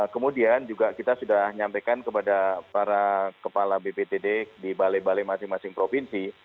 kemudian juga kita sudah nyampaikan kepada para kepala bptd di balai balai masing masing provinsi